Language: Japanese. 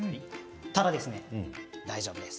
ただ大丈夫です。